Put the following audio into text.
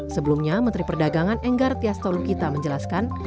sebelumnya menteri perdagangan enggar tias tolu gita menjelaskan